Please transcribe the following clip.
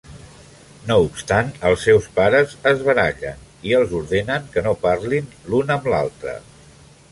No obstant, els seus pares es barallen i els ordenen que no parlin l'un amb l'altre.